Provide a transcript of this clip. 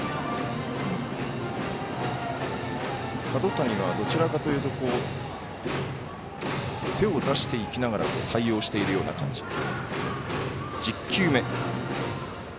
角谷は、どちらかというと手を出していきながら対応しているような感じ。